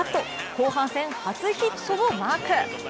後半戦初ヒットをマーク。